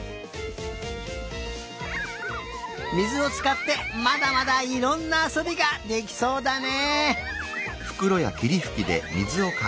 みずをつかってまだまだいろんなあそびができそうだね。